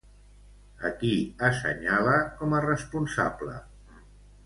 A qui assenyala com a responsable?